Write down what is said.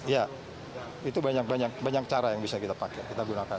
ya itu banyak cara yang bisa kita pakai kita gunakan